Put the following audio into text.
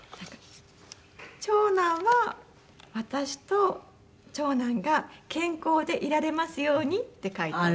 長男は「私と長男が健康でいられますように」って書いて。